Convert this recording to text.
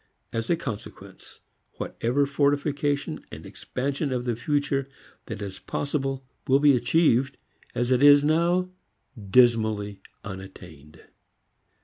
As a consequence whatever fortification and expansion of the future that is possible will be achieved as it is now dismally unattained.